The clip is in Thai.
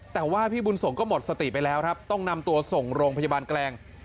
แต่ว่าพี่บุญส่งก็หมดสติไปแล้วครับต้องนำตัวส่งโรงพยาบาลแกลง